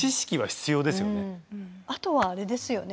あとはあれですよね